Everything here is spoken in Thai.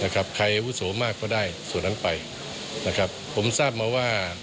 ใครอาวุศวมากก็ได้ผลออกไปส่วนนั้นไปผมทราบมาว่า